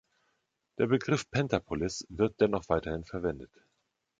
Der Begriff „Pentapolis“ wird dennoch weiterhin verwendet.